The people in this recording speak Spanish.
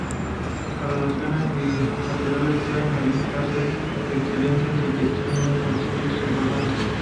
Las relaciones bilaterales pueden calificarse de excelentes sin que existan contenciosos importantes.